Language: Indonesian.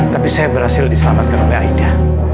tapi saya berhasil diselamatkan oleh aida